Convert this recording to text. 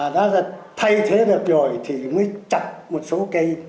đã thay thế được rồi thì mới chặt một số cây